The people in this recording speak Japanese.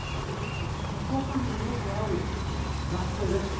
ご飯によく合うなすのレシピ